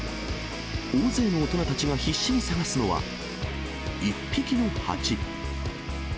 大勢の大人たちが必死に探すのは、１匹のハチ。